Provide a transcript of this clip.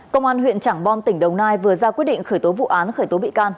công an huyện trảng bom tỉnh đồng nai vừa ra quyết định khởi tố vụ án khởi tố bị can